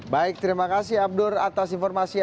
baik terima kasih abdur atas informasinya